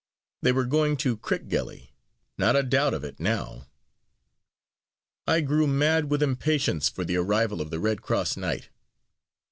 They were going to Crickgelly; not a doubt of it, now. I grew mad with impatience for the arrival of the Red Cross Knight.